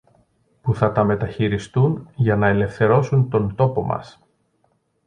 που θα τα μεταχειριστούν για να ελευθερώσουν τον τόπο μας